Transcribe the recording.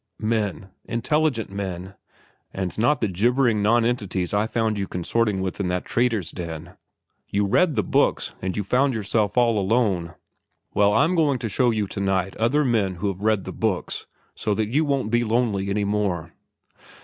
"Men, intelligent men, and not the gibbering nonentities I found you consorting with in that trader's den. You read the books and you found yourself all alone. Well, I'm going to show you to night some other men who've read the books, so that you won't be lonely any more."